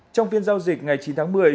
trong phiên giao dịch ngày chín tháng một mươi